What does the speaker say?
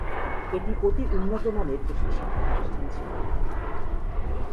এটি অতি উন্নত মানের একটি শিক্ষাপ্রতিষ্ঠান ছিল।